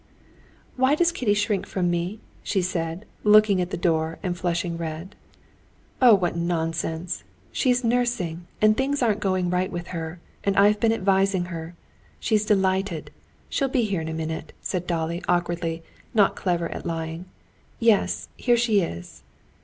"Why does Kitty shrink from me?" she said, looking at the door and flushing red. "Oh, what nonsense! She's nursing, and things aren't going right with her, and I've been advising her.... She's delighted. She'll be here in a minute," said Dolly awkwardly, not clever at lying. "Yes, here she is."